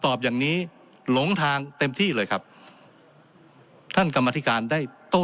สอบอย่างนี้หลงทางเต็มที่เลยครับท่านกรรมธิการได้โต้